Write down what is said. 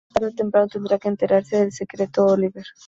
Tarde o temprano tendrá que enterarse del secreto Oliver.